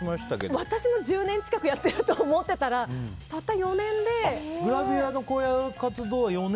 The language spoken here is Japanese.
私も１０年近くやってると思ったらグラビアの活動は４年。